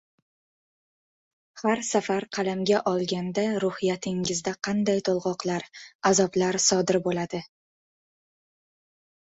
har safar qalamga olganda ruhiyatingizda qanday to‘lg‘oqlar, azoblar sodir bo‘ladi?